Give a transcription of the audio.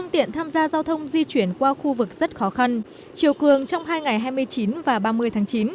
tiện tham gia giao thông di chuyển qua khu vực rất khó khăn chiều cường trong hai ngày hai mươi chín và ba mươi tháng chín